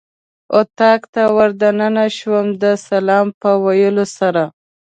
اتاق ته ور دننه شوم د سلام په ویلو سره.